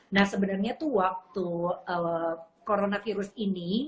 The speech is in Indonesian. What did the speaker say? nah sebenarnya tuh waktu coronavirus ini